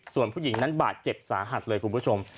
ส่วนผู้หญิงนั้นบาดเจ็บสาหัสเลยคุณผู้ชม